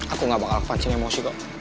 aku gak bakal kepancing emosi kok